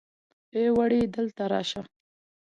ای وړې دلته راشه.